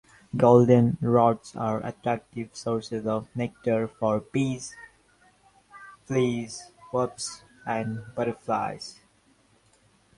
Goldenrods are attractive sources of nectar for bees, flies, wasps, and butterflies.